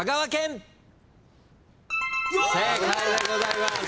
正解でございます。